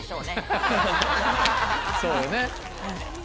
そうよね。